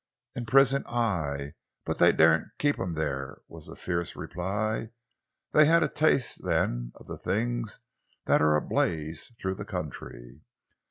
"In prison, aye, but they daren't keep him there!" was the fierce reply. "They had a taste then of the things that are ablaze through the country.